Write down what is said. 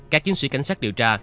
các chiến sĩ cảnh sát điều tra